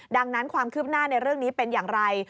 ดังนั้นความคืบหน้าในเรื่องนี้เป็นอย่างไร